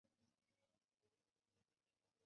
同时也是三亚市主要饮用水水源地。